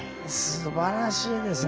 素晴らしいですね。